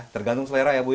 tergantung selera ya bu ya